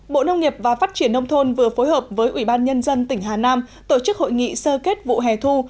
bộ nông nghiệp và phát triển nông thôn vừa phối hợp với ủy ban nhân dân tỉnh hà nam tổ chức hội nghị sơ kết vụ hè thu